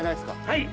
はい。